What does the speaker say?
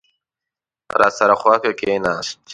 راسره خوا کې کېناست.